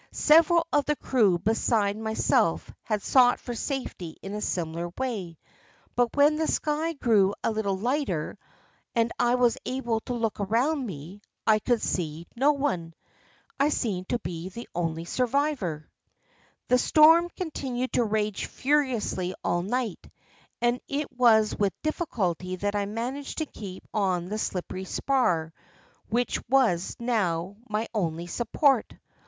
Several of the crew beside myself had sought for safety in a similar way; but when the sky grew a little lighter, and I was able to look around me, I could see no one, I seemed to be the only survivor. [Illustration: "Clinging to a part of the mast which had been washed away."] "The storm continued to rage furiously all night, and it was with difficulty that I managed to keep on the slippery spar which was now my only support.